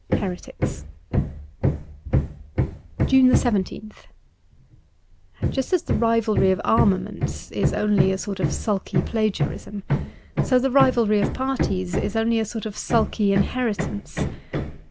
• Heretics' 185 JUNE 17th JUST as the rivalry of armaments is only a sort of sulky plagiarism, so the rivalry of parties is only a sort of sulky inheritance.